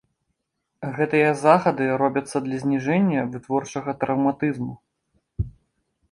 Гэтыя захады робяцца для зніжэння вытворчага траўматызму.